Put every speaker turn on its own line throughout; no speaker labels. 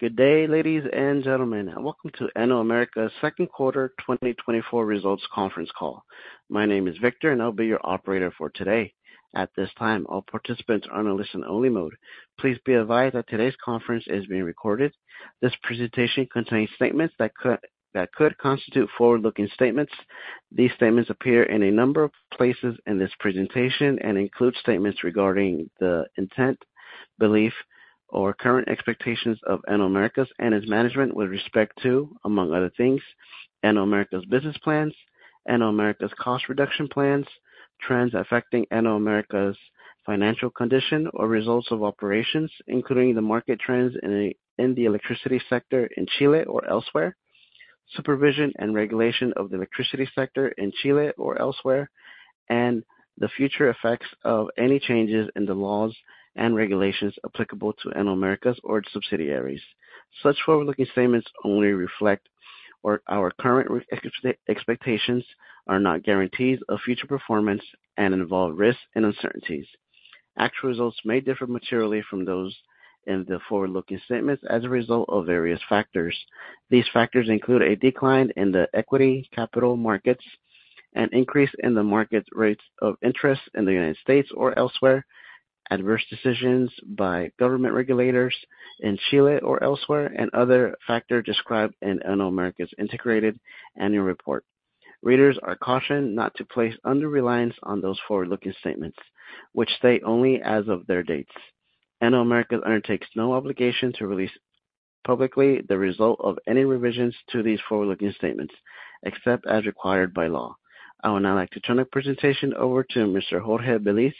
Good day, ladies and gentlemen, and welcome to Enel Américas' second quarter 2024 results conference call. My name is Victor, and I'll be your operator for today. At this time, all participants are on a listen-only mode. Please be advised that today's conference is being recorded. This presentation contains statements that could constitute forward-looking statements. These statements appear in a number of places in this presentation and include statements regarding the intent, belief, or current expectations of Enel Américas and its management with respect to, among other things, Enel Américas' business plans, Enel Américas' cost reduction plans, trends affecting Enel Américas' financial condition or results of operations, including the market trends in the electricity sector in Chile or elsewhere, supervision and regulation of the electricity sector in Chile or elsewhere, and the future effects of any changes in the laws and regulations applicable to Enel Américas or its subsidiaries. Such forward-looking statements only reflect our current expectations, are not guarantees of future performance, and involve risks and uncertainties. Actual results may differ materially from those in the forward-looking statements as a result of various factors. These factors include a decline in the equity capital markets, an increase in the market rates of interest in the United States or elsewhere, adverse decisions by government regulators in Chile or elsewhere, and other factors described in Enel Américas' integrated annual report. Readers are cautioned not to place undue reliance on those forward-looking statements, which speak only as of their dates. Enel Américas undertakes no obligation to release publicly the results of any revisions to these forward-looking statements, except as required by law. I would now like to turn the presentation over to Mr. Jorge Velis,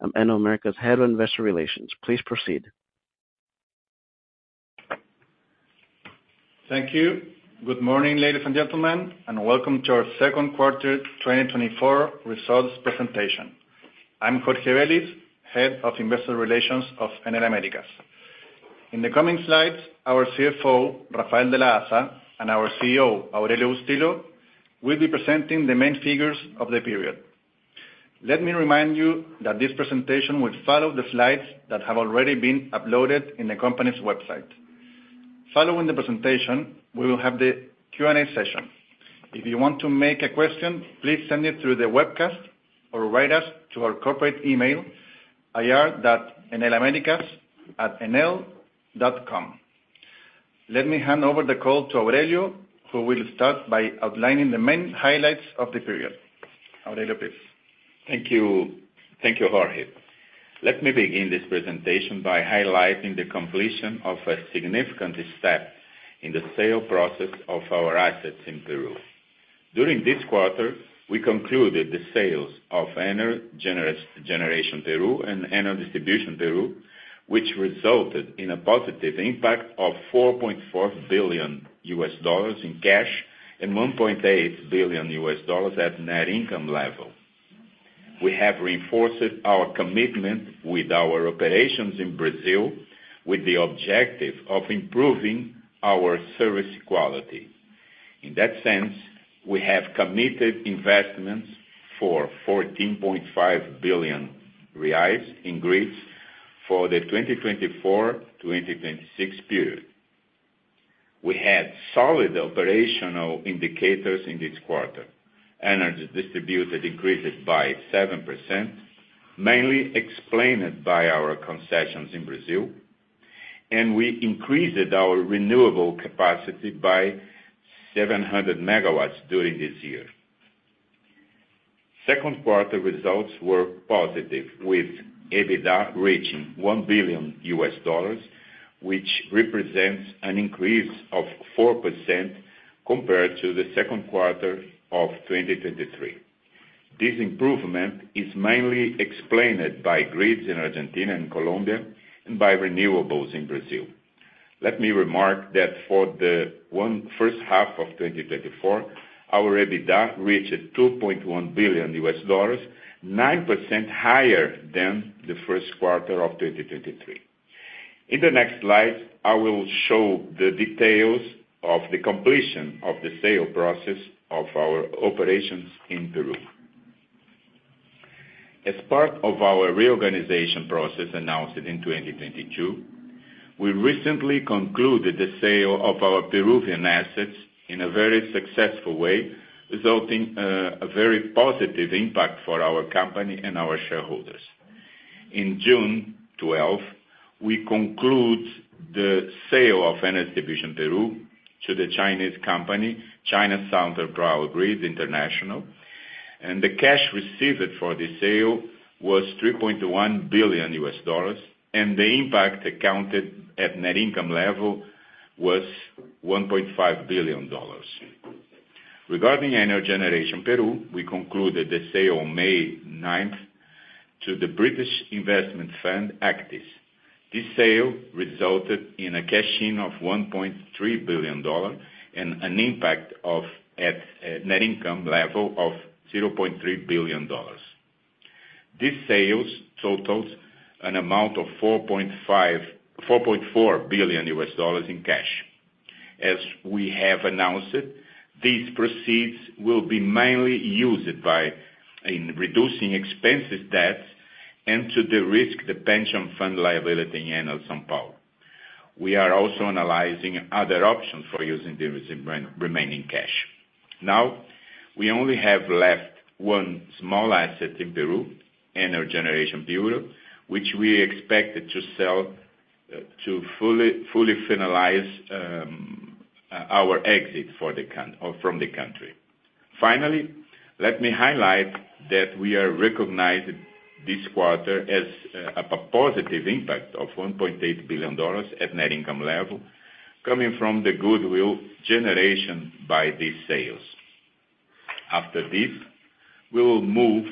Enel Américas' Head of Investor Relations. Please proceed.
Thank you. Good morning, ladies and gentlemen, and welcome to our second quarter 2024 results presentation. I'm Jorge Velis, Head of Investor Relations of Enel Américas. In the coming slides, our CFO, Rafael de la Haza, and our CEO, Aurelio Bustilho, will be presenting the main figures of the period. Let me remind you that this presentation will follow the slides that have already been uploaded in the company's website. Following the presentation, we will have the Q&A session. If you want to make a question, please send it through the webcast or write us to our corporate email, ir.enelamericas@enel.com. Let me hand over the call to Aurelio, who will start by outlining the main highlights of the period. Aurelio, please.
Thank you. Thank you, Jorge. Let me begin this presentation by highlighting the completion of a significant step in the sale process of our assets in Peru. During this quarter, we concluded the sales of Enel Generación Perú and Enel Distribución Perú, which resulted in a positive impact of $4.4 billion in cash and $1.8 billion at net income level. We have reinforced our commitment with our operations in Brazil with the objective of improving our service quality. In that sense, we have committed investments for 14.5 billion reais in grids for the 2024-2026 period. We had solid operational indicators in this quarter. Energy distributed increased by 7%, mainly explained by our concessions in Brazil, and we increased our renewable capacity by 700 MW during this year. Second quarter results were positive, with EBITDA reaching $1 billion, which represents an increase of 4% compared to the second quarter of 2023. This improvement is mainly explained by grids in Argentina and Colombia and by renewables in Brazil. Let me remark that for the first half of 2024, our EBITDA reached $2.1 billion, 9% higher than the first quarter of 2023. In the next slide, I will show the details of the completion of the sale process of our operations in Peru. As part of our reorganization process announced in 2022, we recently concluded the sale of our Peruvian assets in a very successful way, resulting in a very positive impact for our company and our shareholders. On June 12, we concluded the sale of Enel Distribución Perú to the Chinese company, China Southern Power Grid International, and the cash received for the sale was $3.1 billion, and the impact accounted at net income level was $1.5 billion. Regarding Enel Generación Perú, we concluded the sale on May 9th to the British investment fund, Actis. This sale resulted in a cash-in of $1.3 billion and an impact at net income level of $0.3 billion. These sales total an amount of $4.4 billion in cash. We have announced these proceeds will be mainly used in reducing expensive debts and to de-risk the pension fund liability in São Paulo. We are also analyzing other options for using the remaining cash. Now, we only have left one small asset in Peru, Enel Generación Piura, which we expected to sell to fully finalize our exit from the country. Finally, let me highlight that we are recognizing this quarter as a positive impact of $1.8 billion at net income level coming from the goodwill generation by these sales. After this, we will move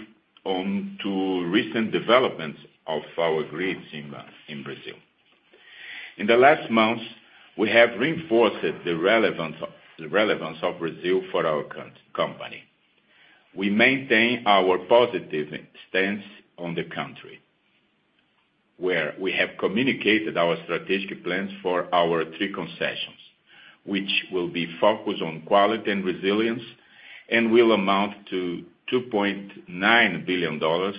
on to recent developments of our grids in Brazil. In the last months, we have reinforced the relevance of Brazil for our company. We maintain our positive stance on the country, where we have communicated our strategic plans for our three concessions, which will be focused on quality and resilience, and will amount to $2.9 billion of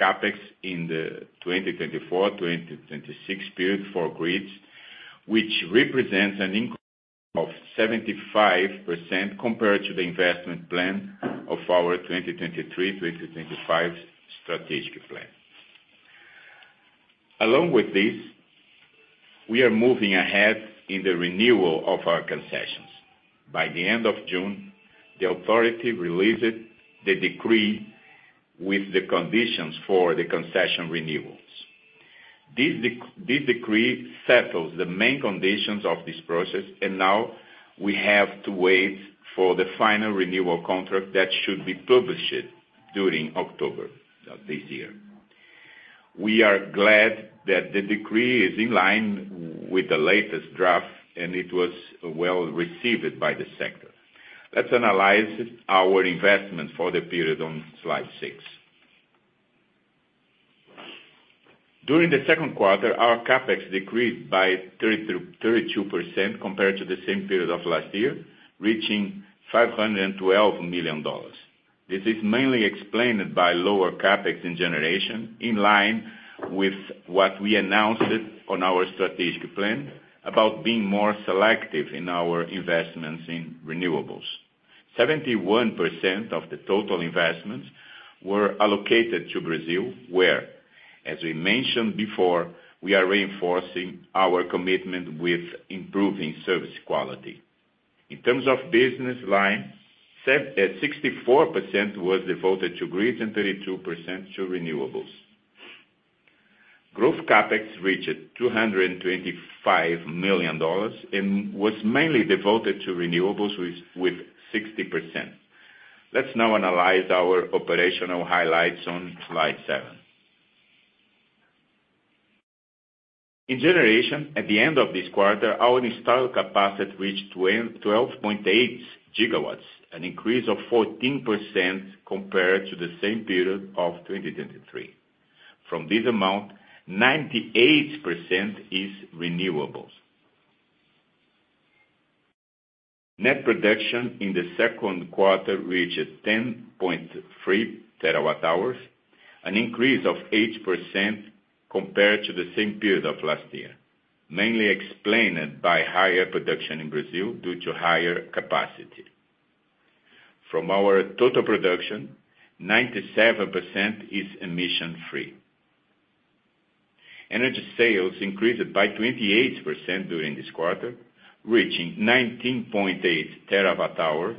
CapEx in the 2024-2026 period for grids, which represents an increase of 75% compared to the investment plan of our 2023-2025 strategic plan. Along with this, we are moving ahead in the renewal of our concessions. By the end of June, the authority released the decree with the conditions for the concession renewals. This decree settles the main conditions of this process, and now we have to wait for the final renewal contract that should be published during October of this year. We are glad that the decree is in line with the latest draft, and it was well-received by the sector. Let's analyze our investment for the period on slide six. During the second quarter, our CapEx decreased by 32% compared to the same period of last year, reaching $512 million. This is mainly explained by lower CapEx in generation, in line with what we announced on our strategic plan about being more selective in our investments in renewables. 71% of the total investments were allocated to Brazil, where, as we mentioned before, we are reinforcing our commitment with improving service quality. In terms of business line, 64% was devoted to grids and 32% to renewables. Growth CapEx reached $225 million and was mainly devoted to renewables with 60%. Let's now analyze our operational highlights on slide seven. In generation, at the end of this quarter, our installed capacity reached 12.8 GW, an increase of 14% compared to the same period of 2023. From this amount, 98% is renewables. Net production in the second quarter reached 10.3 TWh, an increase of 8% compared to the same period of last year, mainly explained by higher production in Brazil due to higher capacity. From our total production, 97% is emission-free. Energy sales increased by 28% during this quarter, reaching 19.8 TWh,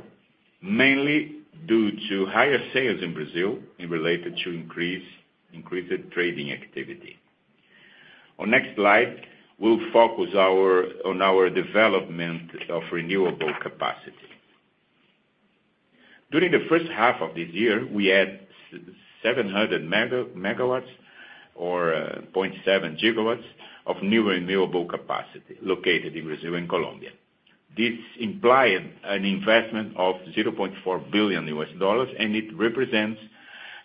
mainly due to higher sales in Brazil and related to increased trading activity. On next slide, we'll focus on our development of renewable capacity. During the first half of this year, we had 700 MW or 0.7 GW of new renewable capacity located in Brazil and Colombia. This implied an investment of $0.4 billion, and it represents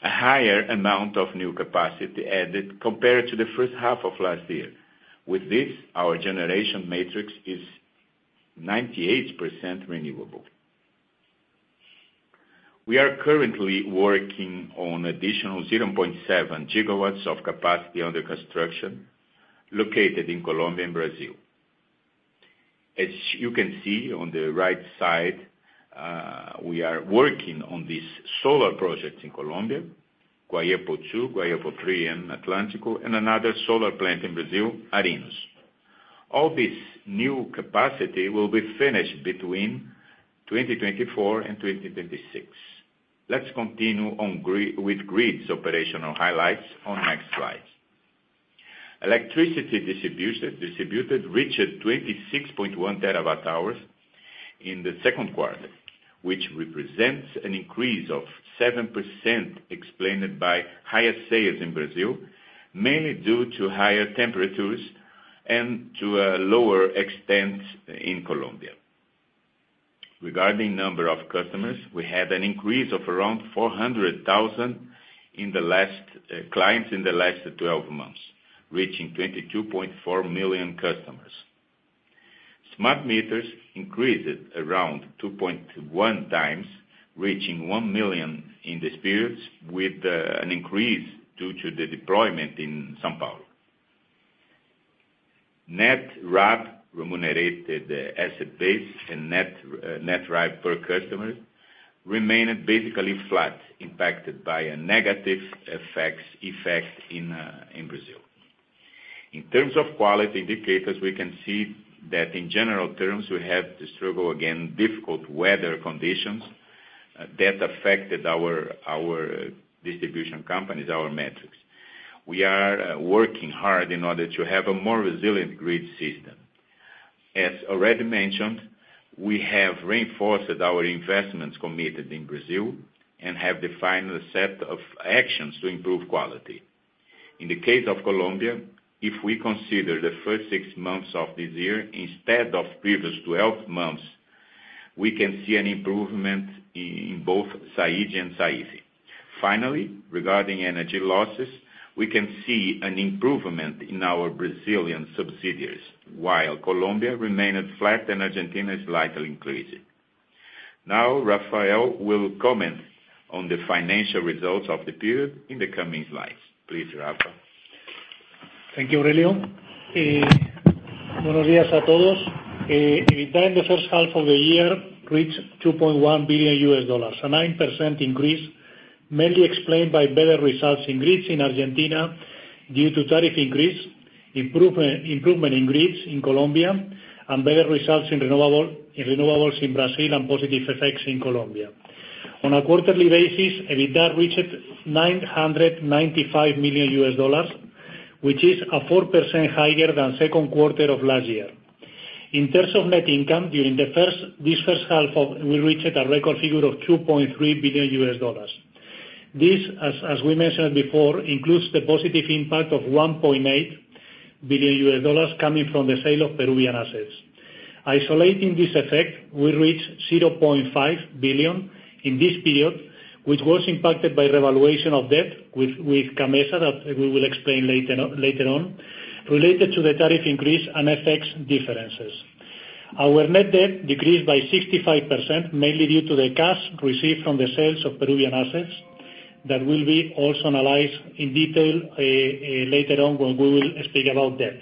a higher amount of new capacity added compared to the first half of last year. With this, our generation matrix is 98% renewable. We are currently working on additional 0.7 GW of capacity under construction located in Colombia and Brazil. As you can see on the right side, we are working on these solar projects in Colombia, Guayepo II, Guayepo III, and Atlántico, and another solar plant in Brazil, Arinos. All this new capacity will be finished between 2024 and 2026. Let's continue with grids operational highlights on next slide. Electricity distribution reached 26.1 TWh in the second quarter, which represents an increase of 7% explained by higher sales in Brazil, mainly due to higher temperatures and to a lower extent in Colombia. Regarding number of customers, we had an increase of around 400,000 clients in the last 12 months, reaching 22.4 million customers. Smart meters increased around 2.1x, reaching 1 million in the period, with an increase due to the deployment in São Paulo. Net RAB, remunerated asset base, and net RAB per customer remained basically flat, impacted by a negative effect in Brazil. In terms of quality indicators, we can see that in general terms, we have to struggle against difficult weather conditions that affected our distribution companies, our metrics. We are working hard in order to have a more resilient grid system. As already mentioned, we have reinforced our investments committed in Brazil and have defined a set of actions to improve quality. In the case of Colombia, if we consider the first six months of this year instead of previous 12 months, we can see an improvement in both SAIDI and SAIFI. Finally, regarding energy losses, we can see an improvement in our Brazilian subsidiaries, while Colombia remained flat and Argentina slightly increased. Now, Rafael will comment on the financial results of the period in the coming slides. Please, Rafa.
Thank you, Aurelio. Buenos días a todos. EBITDA in the first half of the year reached $2.1 billion, a 9% increase, mainly explained by better results in grids in Argentina due to tariff increase, improvement in grids in Colombia, and better results in renewables in Brazil and positive effects in Colombia. On a quarterly basis, EBITDA reached $995 million, which is a 4% higher than second quarter of last year. In terms of net income, during this first half, we reached a record figure of $2.3 billion. This, as we mentioned before, includes the positive impact of $1.8 billion coming from the sale of Peruvian assets. Isolating this effect, we reached $0.5 billion in this period, which was impacted by revaluation of debt with CAMMESA, that we will explain later on, related to the tariff increase and FX differences. Our net debt decreased by 65%, mainly due to the cash received from the sales of Peruvian assets. That will be also analyzed in detail later on when we will speak about debt.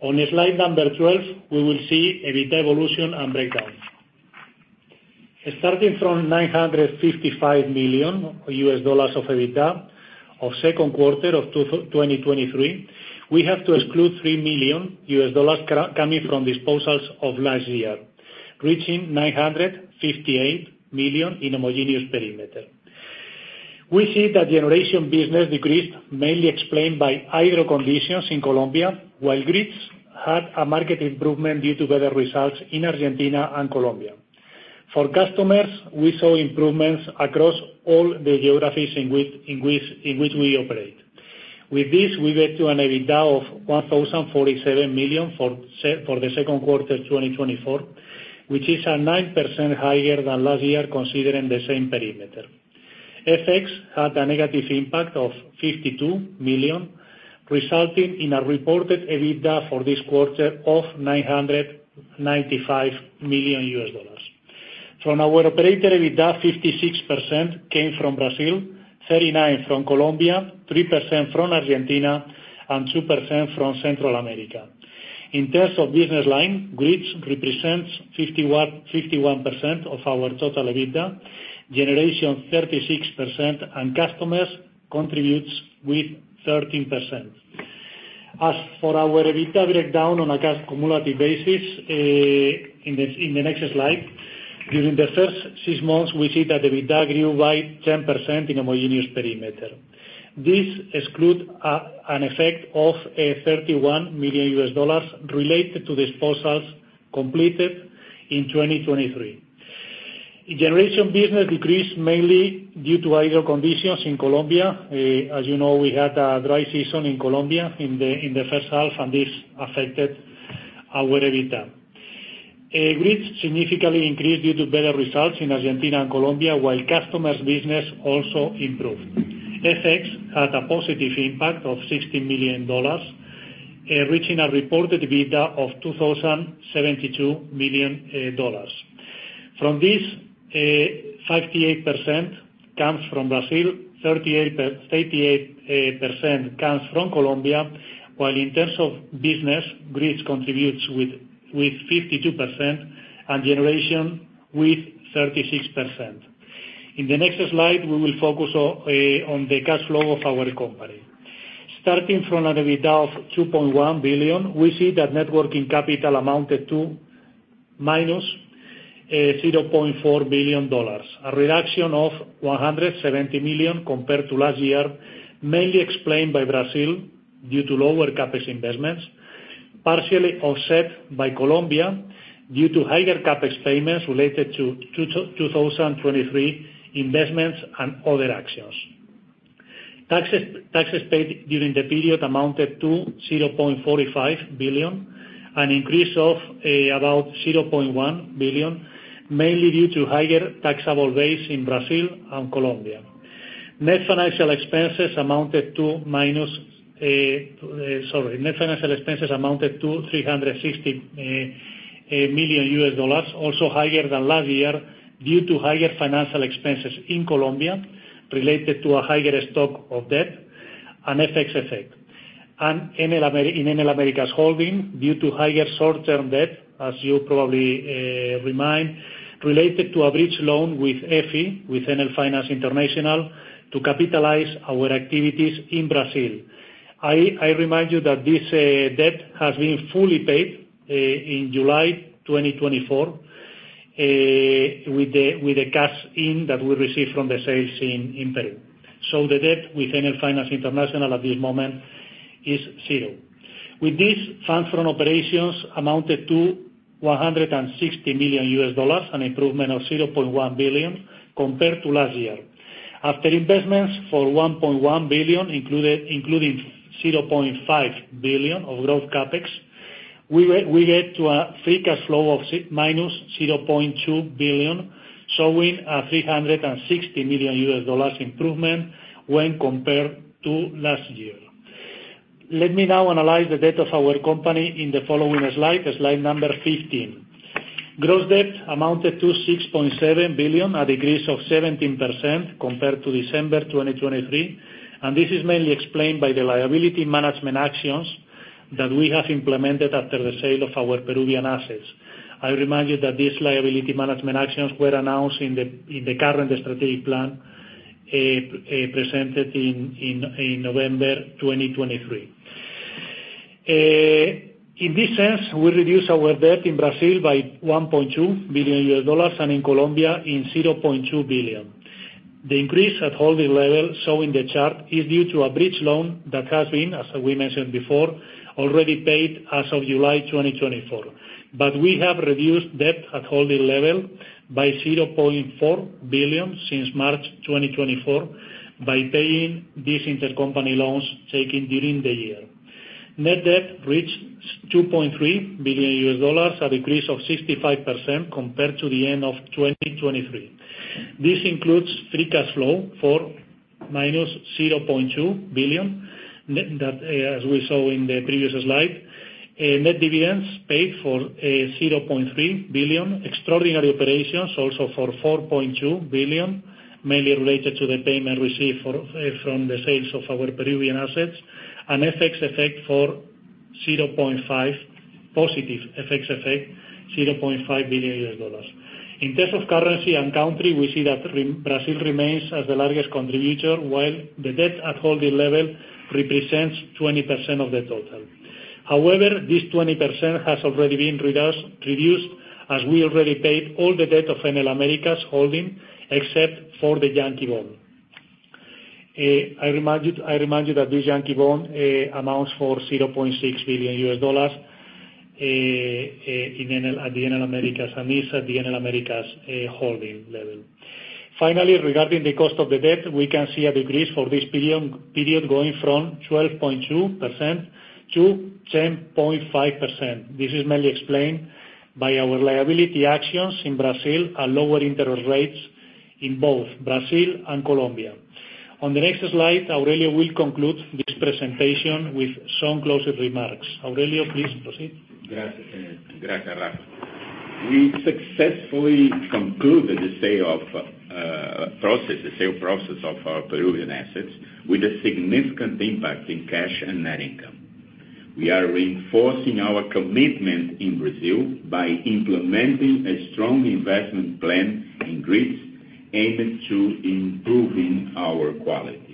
On slide number 12, we will see EBITDA evolution and breakdown. Starting from $955 million of EBITDA of second quarter of 2023, we have to exclude $3 million coming from disposals of last year, reaching $958 million in homogeneous perimeter. We see that generation business decreased, mainly explained by hydro conditions in Colombia, while grids had a market improvement due to better results in Argentina and Colombia. For customers, we saw improvements across all the geographies in which we operate. With this, we get to an EBITDA of $1,047 million for the second quarter 2024, which is 9% higher than last year, considering the same perimeter. FX had a negative impact of $52 million, resulting in a reported EBITDA for this quarter of $995 million. From our operator EBITDA, 56% came from Brazil, 39% from Colombia, 3% from Argentina, and 2% from Central America. In terms of business line, grids represents 51% of our total EBITDA, generation 36%, and customers contributes with 13%. As for our EBITDA breakdown on a cash cumulative basis, in the next slide, during the first six months, we see that EBITDA grew by 10% in homogeneous perimeter. This excludes an effect of $31 million related to disposals completed in 2023. Generation business decreased mainly due to hydrological conditions in Colombia. As you know, we had a dry season in Colombia in the first half, and this affected our EBITDA. Grids significantly increased due to better results in Argentina and Colombia, while customers business also improved. FX had a positive impact of $60 million, reaching a reported EBITDA of $2,072 million. From this, 58% comes from Brazil, 38% comes from Colombia, while in terms of business, grids contributes with 52% and generation with 36%. In the next slide, we will focus on the cash flow of our company. Starting from an EBITDA of $2.1 billion, we see that net working capital amounted to minus $0.4 billion, a reduction of $170 million compared to last year, mainly explained by Brazil due to lower CapEx investments, partially offset by Colombia due to higher CapEx payments related to 2023 investments and other actions. Taxes paid during the period amounted to $0.45 billion, an increase of about $0.1 billion, mainly due to higher taxable base in Brazil and Colombia. Net financial expenses amounted to minus $360 million, also higher than last year due to higher financial expenses in Colombia related to a higher stock of debt and FX effect. In Enel Américas Holding due to higher short-term debt, as you probably remember, related to a bridge loan with EFI, with Enel Finance International, to capitalize our activities in Brazil. I remind you that this debt has been fully paid in July 2024 with the cash that we received from the sales in Peru. The debt with Enel Finance International at this moment is zero. With this, funds from operations amounted to $160 million, an improvement of $0.1 billion compared to last year. After investments for $1.1 billion included, including $0.5 billion of growth CapEx, we get to a free cash flow of -$0.2 billion, showing a $360 million improvement when compared to last year. Let me now analyze the debt of our company in the following slide number 15. Gross debt amounted to $6.7 billion, a decrease of 17% compared to December 2023, and this is mainly explained by the liability management actions that we have implemented after the sale of our Peruvian assets. I remind you that these liability management actions were announced in the current strategic plan presented in November 2023. In this sense, we reduced our debt in Brazil by $1.2 billion and in Colombia by $0.2 billion. The increase at holding level shown in the chart is due to a bridge loan that has been, as we mentioned before, already paid as of July 2024. We have reduced debt at holding level by $0.4 billion since March 2024 by paying these intercompany loans taken during the year. Net debt reached $2.3 billion, a decrease of 65% compared to the end of 2023. This includes free cash flow of -$0.2 billion, as we saw in the previous slide. Net dividends paid of $0.3 billion. Extraordinary operations also for $4.2 billion, mainly related to the payment received from the sales of our Peruvian assets. FX effect for $0.5 billion—positive FX effect, $0.5 billion. In terms of currency and country, we see that Brazil remains as the largest contributor, while the debt at holding level represents 20% of the total. However, this 20% has already been reduced, as we already paid all the debt of Enel Américas holding, except for the Yankee bond. I remind you that this Yankee bond amounts for $0.6 billion in Enel Américas, and this at the Enel Américas holding level. Finally, regarding the cost of the debt, we can see a decrease for this period going from 12.2%-10.5%. This is mainly explained by our liability actions in Brazil and lower interest rates in both Brazil and Colombia. On the next slide, Aurelio will conclude this presentation with some closing remarks. Aurelio, please proceed.
Gracias, Rafa. We successfully concluded the sale process of our Peruvian assets with a significant impact in cash and net income. We are reinforcing our commitment in Brazil by implementing a strong investment plan in grids aimed to improving our quality.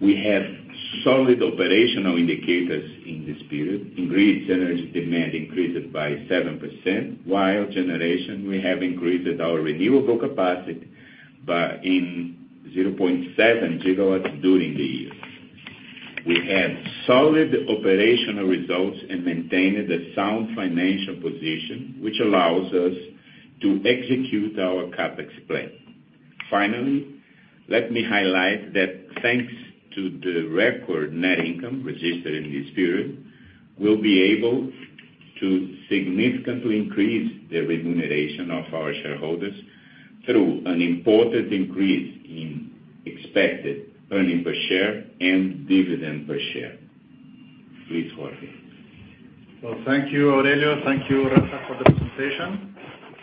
We have solid operational indicators in this period. In grids, energy demand increased by 7%, while generation, we have increased our renewable capacity by 0.7 GW during the year. We have solid operational results and maintained a sound financial position, which allows us to execute our CapEx plan. Finally, let me highlight that thanks to the record net income registered in this period, we'll be able to significantly increase the remuneration of our shareholders through an important increase in expected earnings per share and dividend per share. Please, Jorge.
Well, thank you, Aurelio. Thank you, Rafa, for the presentation.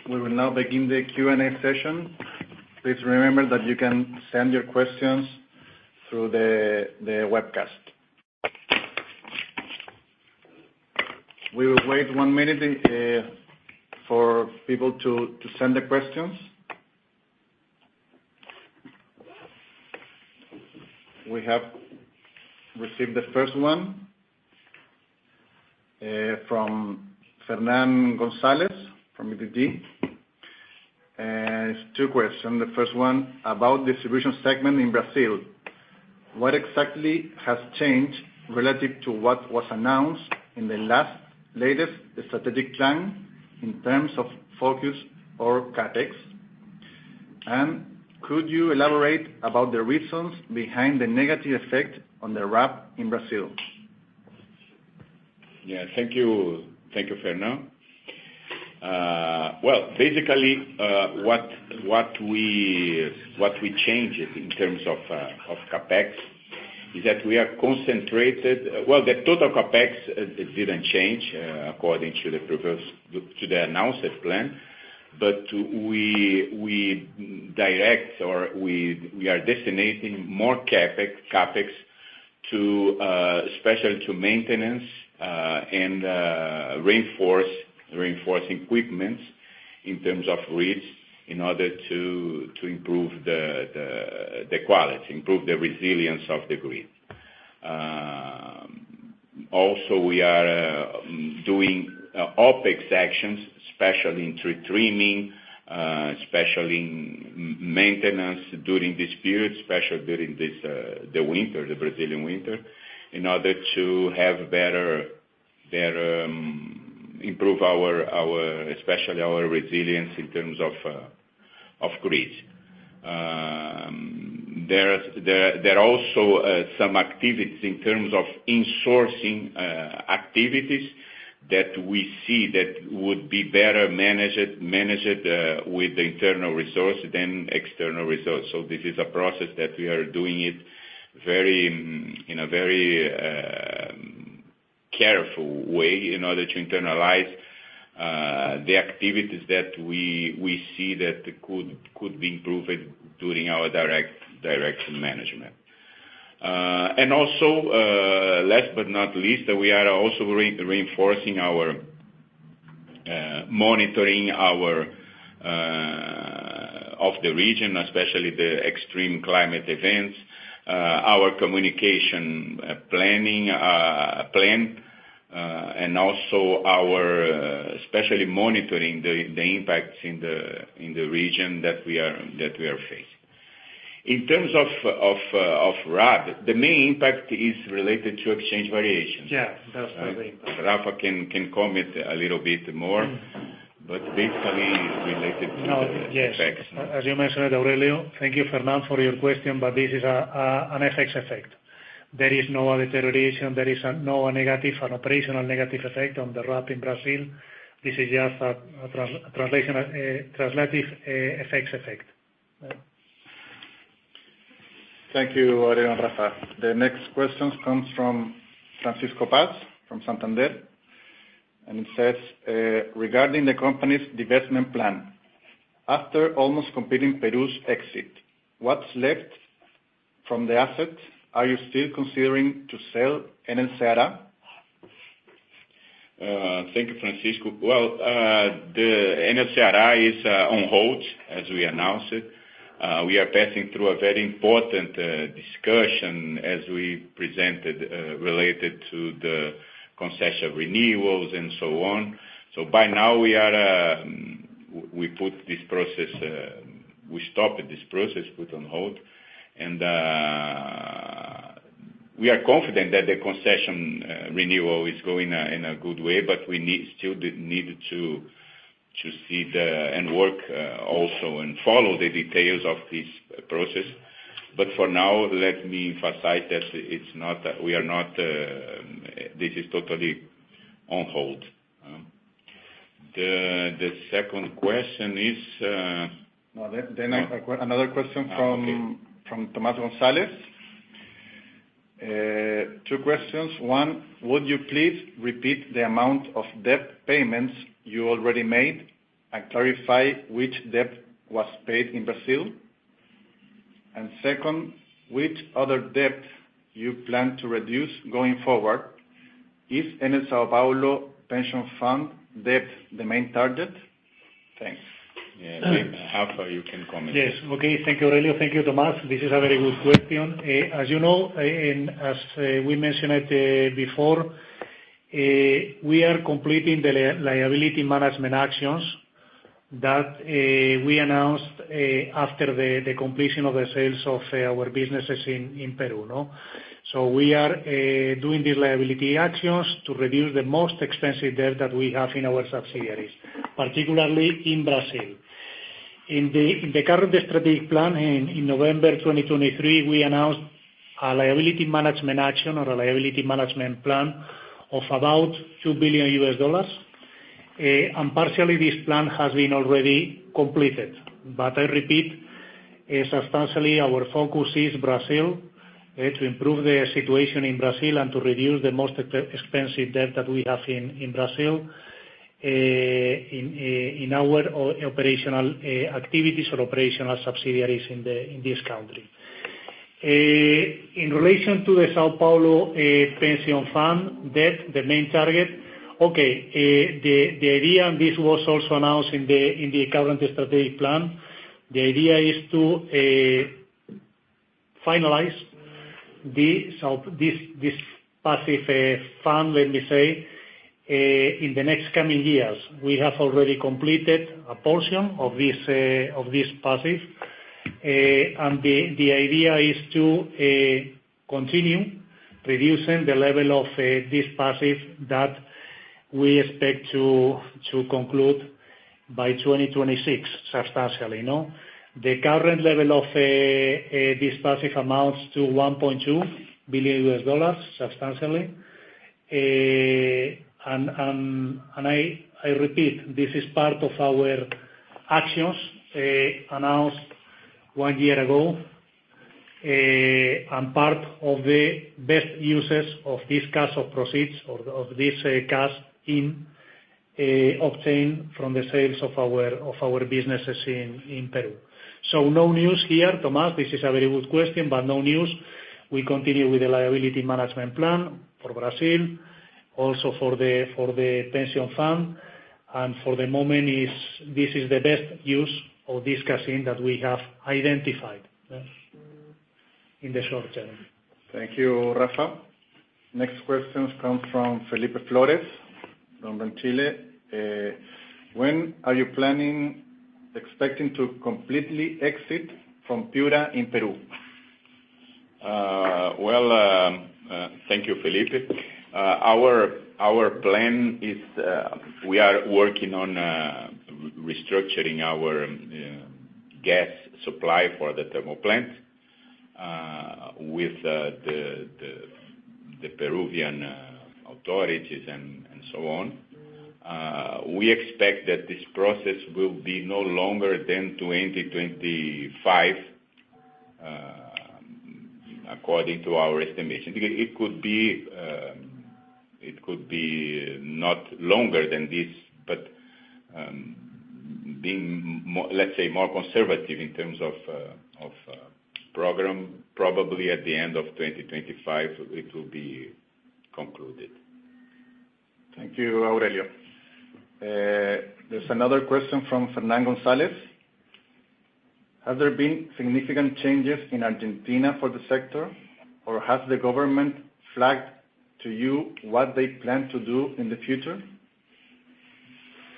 We will now begin the Q&A session. Please remember that you can send your questions through the webcast. We will wait one minute for people to send the questions. We have received the first one from Fernán González from BTG. It's two questions. The first one about distribution segment in Brazil. What exactly has changed relative to what was announced in the latest strategic plan in terms of focus or CapEx? Could you elaborate about the reasons behind the negative effect on the RAB in Brazil?
Yeah, thank you. Thank you, Fernán. Well, basically, what we changed in terms of CapEx is that the total CapEx didn't change according to the previous to the announced plan, but we are designating more CapEx to especially to maintenance and reinforce equipment in terms of risks in order to improve the quality, improve the resilience of the grid. Also we are doing OpEx actions, especially in tree trimming, especially in maintenance during this period, especially during the Brazilian winter, in order to have better resilience, especially our resilience in terms of grid. There are also some activities in terms of insourcing activities that we see that would be better managed with the internal resource than external resource. This is a process that we are doing it very in a very careful way in order to internalize the activities that we see that could be improved during our direct management. Last but not least, we are also reinforcing our monitoring of the region, especially the extreme climate events, our communication plan, and also especially monitoring the impacts in the region that we are facing. In terms of RAB, the main impact is related to exchange variations.
Yeah, that's the main point.
Rafa can comment a little bit more, but basically it's related to the effects.
No, yes. As you mentioned, Aurelio, thank you Fernán for your question, but this is an FX effect. There is no other deterioration. There is no negative operational effect on the RAB in Brazil. This is just a translational FX effect.
Thank you, Aurelio and Rafa. The next question comes from Francisco Paz from Santander. It says, regarding the company's divestment plan, after almost completing Peru's exit, what's left from the assets? Are you still considering to sell NSAR?
Thank you, Francisco. Well, the NSAR is on hold, as we announced. We are passing through a very important discussion as we presented, related to the concession renewals and so on. By now, we stopped this process, put on hold. We are confident that the concession renewal is going in a good way, but we still need to see, and work also, and follow the details of this process. For now, let me emphasize that this is totally on hold. The second question is—
No. another question.
Okay.
From Tomás González. Two questions. One, would you please repeat the amount of debt payments you already made and clarify which debt was paid in Brazil? Second, which other debt you plan to reduce going forward? Is Enel São Paulo pension fund debt the main target? Thanks.
Yeah. Rafa, you can comment.
Yes. Okay. Thank you, Aurelio. Thank you, Tomás. This is a very good question. As you know, and as we mentioned it before, we are completing the liability management actions that we announced after the completion of the sales of our businesses in Peru. We are doing the liability actions to reduce the most expensive debt that we have in our subsidiaries, particularly in Brazil. In the current strategic plan in November 2023, we announced a liability management action or a liability management plan of about $2 billion. Partially this plan has been already completed. I repeat, substantially our focus is Brazil, to improve the situation in Brazil and to reduce the most expensive debt that we have in Brazil, in our operational activities or operational subsidiaries in this country. In relation to the São Paulo pension fund debt, the main target. Okay. The idea, and this was also announced in the current strategic plan. The idea is to finalize this passive fund, let me say, in the next coming years. We have already completed a portion of this passive. The idea is to continue reducing the level of this passive that we expect to conclude by 2026, substantially, you know. The current level of this cash amounts to $1.2 billion substantially. I repeat, this is part of our actions announced one year ago, and part of the best uses of this cash proceeds or this cash obtained from the sales of our businesses in Peru. No news here, Tomás. This is a very good question, but no news. We continue with the liability management plan for Brazil, also for the pension fund. For the moment this is the best use of this cash that we have identified. Yes. In the short term.
Thank you, Rafa. Next questions come from Felipe Flores from Chile. When are you planning expecting to completely exit from Piura in Peru?
Well, thank you, Felipe. Our plan is we are working on restructuring our gas supply for the thermal plant with the Peruvian authorities and so on. We expect that this process will be no longer than 2025 according to our estimation. It could be not longer than this, but let's say more conservative in terms of program, probably at the end of 2025, it will be concluded.
Thank you, Aurelio. There's another question from Fernán González. Have there been significant changes in Argentina for the sector, or has the government flagged to you what they plan to do in the future?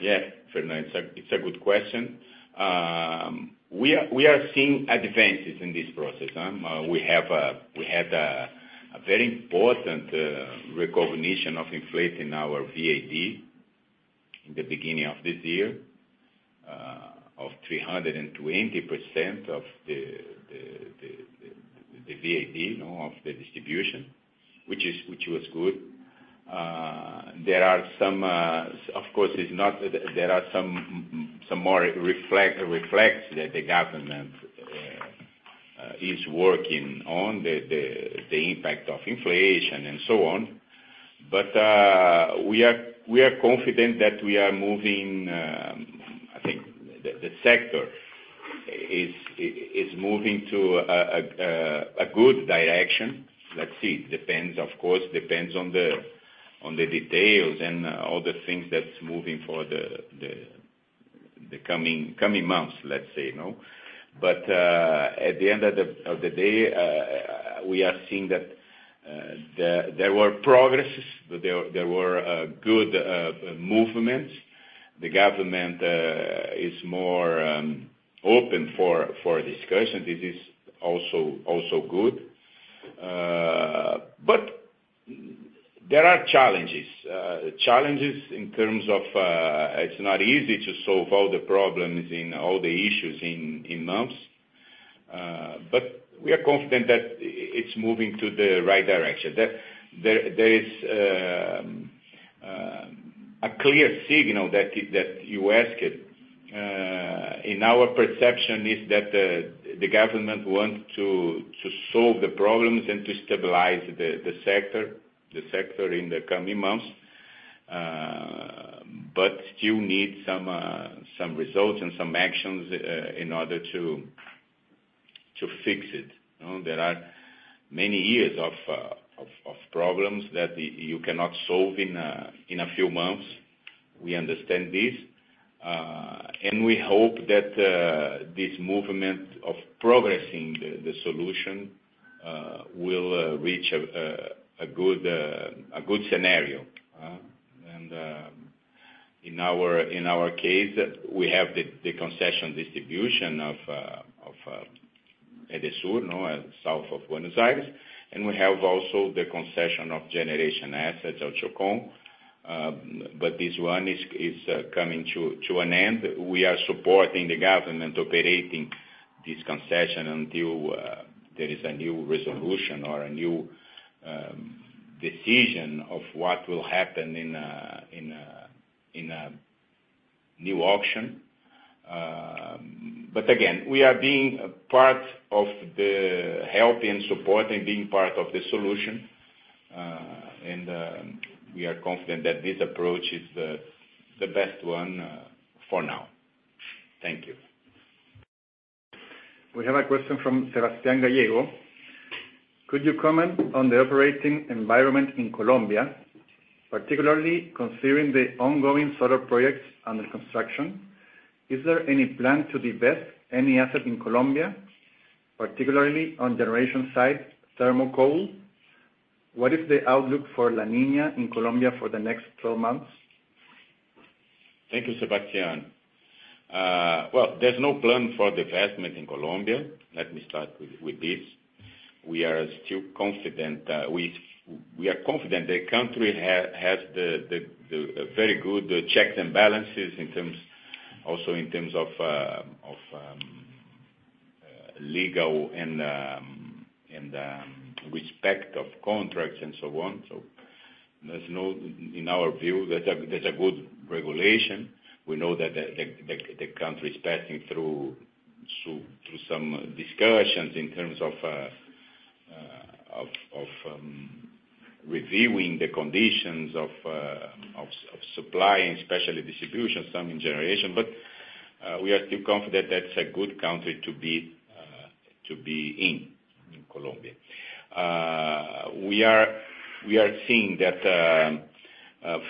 Yeah, Fernán, it's a good question. We are seeing advances in this process. We had a very important recognition of inflation in our VAD in the beginning of this year of 320% of the VAD, you know, of the distribution, which was good. There are some, of course, it's not—there are some more reflections that the government is working on the impact of inflation and so on. We are confident that we are moving. I think the sector is moving to a good direction. Let's see. Depends, of course, depends on the details and all the things that's moving for the coming months, let's say, you know. At the end of the day, we are seeing that there was progress, good movements. The government is more open for discussion. This is also good. There are challenges. Challenges in terms of, it's not easy to solve all the problems and all the issues in months. We are confident that it's moving to the right direction. There is a clear signal that you asked. In our perception is that the government wants to solve the problems and to stabilize the sector in the coming months, but still need some results and some actions in order to fix it. You know, there are many years of problems that you cannot solve in a few months. We understand this, and we hope that this movement of progressing the solution will reach a good scenario. In our case, we have the concession distribution of Edesur, you know, south of Buenos Aires. We have also the concession of generation assets of Chocón. But this one is coming to an end. We are supporting the government operating this concession until there is a new resolution or a new decision of what will happen in a new auction. Again, we are being a part of the help and support and being part of the solution. We are confident that this approach is the best one for now. Thank you.
We have a question from Sebastián Gallego. Could you comment on the operating environment in Colombia, particularly considering the ongoing solar projects under construction? Is there any plan to divest any asset in Colombia? Particularly on generation side, thermal coal. What is the outlook for La Niña in Colombia for the next 12 months?
Thank you, Sebastián. There's no plan for divestment in Colombia. Let me start with this. We are still confident the country has the very good checks and balances in terms, also in terms of legal and respect of contracts and so on. There's no. In our view, there's a good regulation. We know that the country's passing through some discussions in terms of reviewing the conditions of supply and especially distribution, some in generation. We are still confident that's a good country to be in Colombia. We are seeing that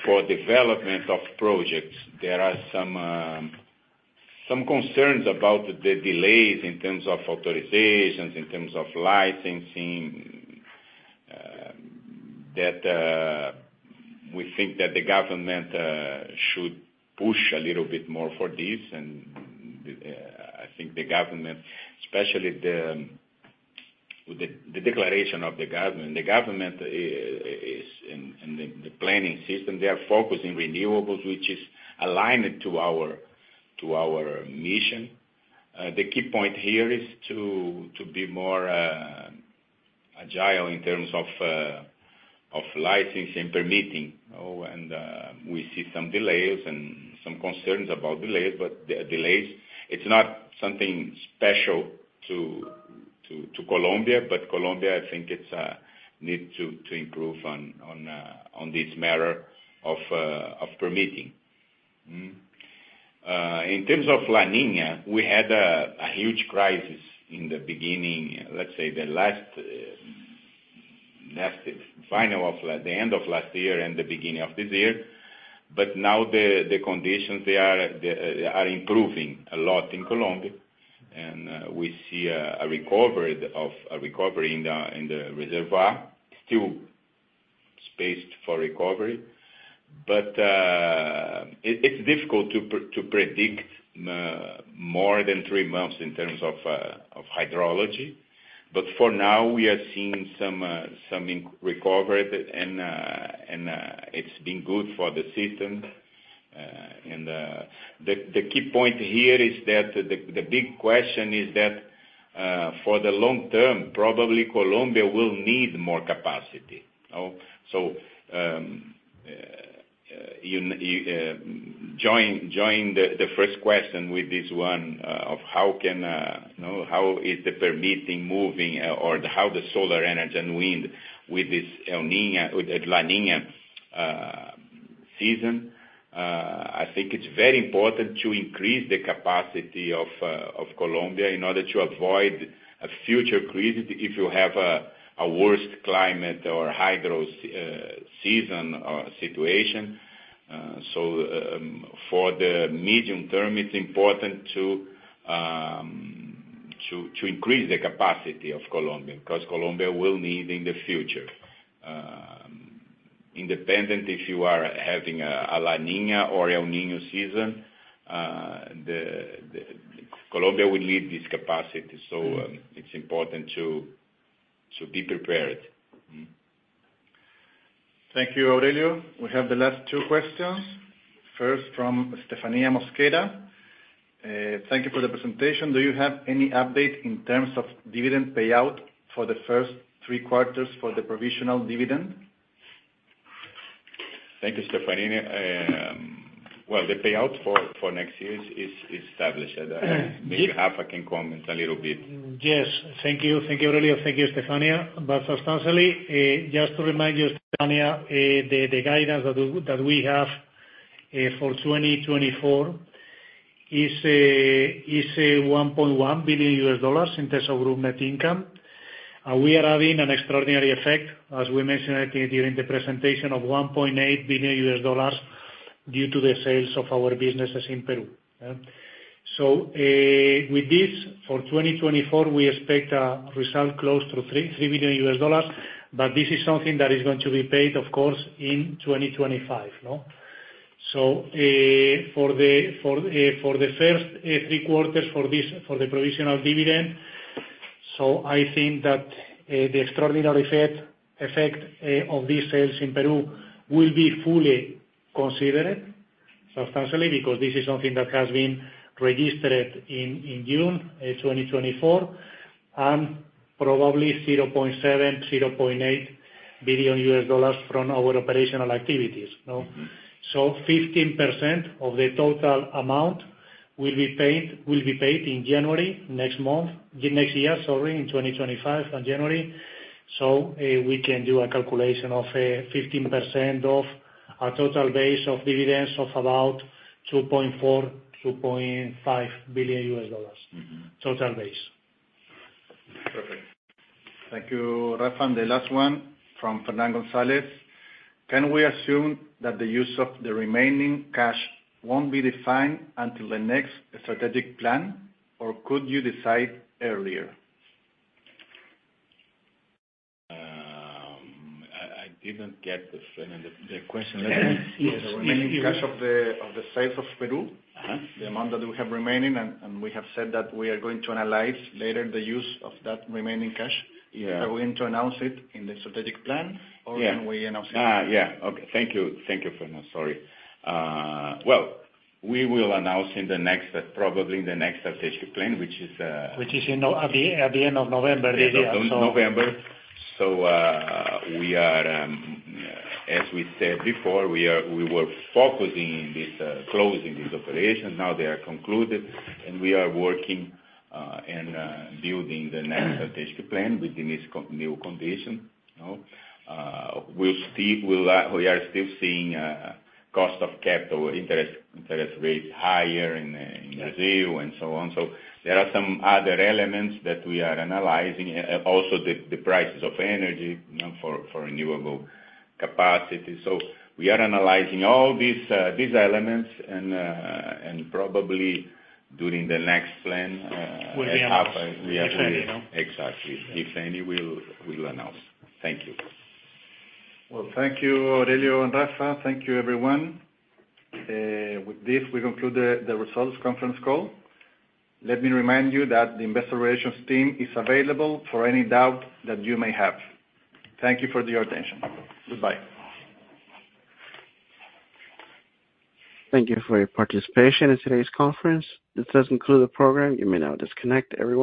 for development of projects, there are some concerns about the delays in terms of authorizations, in terms of licensing, that we think that the government should push a little bit more for this. I think the government, especially with the declaration of the government, is in the planning system. They are focused in renewables, which is aligned to our mission. The key point here is to be more agile in terms of licensing, permitting. We see some delays and some concerns about delays. The delays, it's not something special to Colombia, but Colombia, I think it needs to improve on this matter of permitting. In terms of La Niña, we had a huge crisis in the beginning, let's say, the end of last year and the beginning of this year. Now the conditions are improving a lot in Colombia. We see a recovery in the reservoir. Still space for recovery. It's difficult to predict more than three months in terms of hydrology. For now, we are seeing some recovery and it's been good for the system. The key point here is that the big question is that for the long term, probably Colombia will need more capacity. You join the first question with this one of how is the permitting moving or how the solar energy and wind with this El Niño, with the La Niña season. I think it's very important to increase the capacity of Colombia in order to avoid a future crisis if you have a worse climate or hydro season situation. For the medium term, it's important to increase the capacity of Colombia, because Colombia will need in the future. Independent if you are having a La Niña or El Niño season, the Colombia will need this capacity. It's important to be prepared.
Thank you, Aurelio. We have the last two questions. First from Stephanía Mosquera. Thank you for the presentation. Do you have any update in terms of dividend payout for the first three quarters for the provisional dividend?
Thank you, Stephanía. Well, the payout for next year is established. Maybe Rafa can comment a little bit.
Yes. Thank you. Thank you, Aurelio. Thank you, Stephanía. Substantially, just to remind you, Stephanía, the guidance that we have for 2024 is a $1.1 billion in terms of group net income. We are having an extraordinary effect, as we mentioned during the presentation, of $1.8 billion due to the sales of our businesses in Peru. With this, for 2024, we expect a result close to $3 billion, but this is something that is going to be paid, of course, in 2025. For the first three quarters for this, for the provisional dividend. I think that the extraordinary effect of these sales in Peru will be fully considered substantially because this is something that has been registered in June 2024, and probably $0.7 billion-$0.8 billion from our operational activities. 15% of the total amount will be paid in January next month. Next year, sorry, in 2025, in January. We can do a calculation of 15% of a total base of dividends of about $2.4 billion-$2.5 billion.
Mm-hmm.
Total base.
Perfect. Thank you, Rafa. The last one from Fernán González. Can we assume that the use of the remaining cash won't be defined until the next strategic plan, or could you decide earlier?
I didn't get the question.
Yes.
The remaining cash of the sale of Peru.
Uh-huh.
The amount that we have remaining, and we have said that we are going to analyze later the use of that remaining cash.
Yeah.
Are we going to announce it in the strategic plan?
Yeah.
Can we announce it?
Thank you. Thank you, Fernán. Sorry. Well, we will announce probably in the next strategic plan, which is
Which is at the end of November this year.
End of November. We are, as we said before, we were focusing on this closing this operation. Now they are concluded, and we are working on building the next strategic plan within this new condition. We'll see. We are still seeing cost of capital, interest rates higher in Brazil and so on. There are some other elements that we are analyzing. Also the prices of energy for renewable capacity. We are analyzing all these elements and probably during the next plan.
We'll be announcing.
Exactly. If any, we'll announce. Thank you.
Well, thank you, Aurelio and Rafa. Thank you, everyone. With this, we conclude the results conference call. Let me remind you that the investor relations team is available for any doubt that you may have. Thank you for your attention. Goodbye.
Thank you for your participation in today's conference. This does conclude the program. You may now disconnect. Everyone